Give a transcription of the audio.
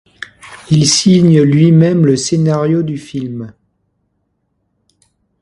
Il signe lui-même le scénario du film.